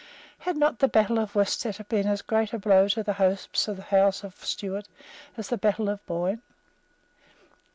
Had not the battle of Worcester been as great a blow to the hopes of the House of Stuart as the battle of the Boyne?